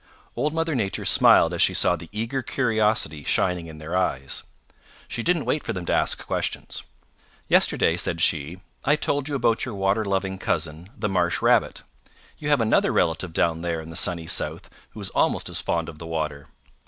Old Mother Nature smiled as she saw the eager curiosity shining in their eyes. She didn't wait for them to ask questions. "Yesterday," said she, "I told you about your water loving cousin, the Marsh Rabbit. You have another relative down there in the Sunny South who is almost as fond of the water.